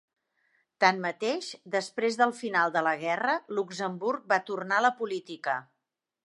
Tanmateix, després del final de la guerra, Luxemburg va tornar a la política.